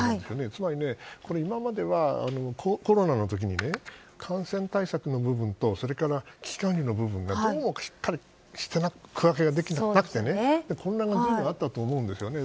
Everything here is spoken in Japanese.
つまり、今まではコロナの時には感染対策の部分とそれから、危機管理の部分がしっかり区分けができてなくてこんなのあったと思うんですね。